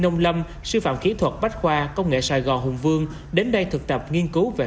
nông lâm sư phạm kỹ thuật bách khoa công nghệ sài gòn hùng vương đến đây thực tập nghiên cứu về